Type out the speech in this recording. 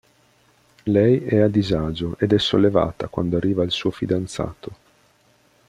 Lei è a disagio ed è sollevata quando arriva il suo fidanzato.